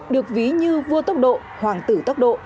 được ví như vua tốc độ hoàng tử tốc độ